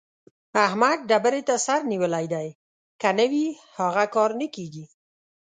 احمد ډبرې ته سر نيولی دی؛ که نه وي هغه کار نه کېږي.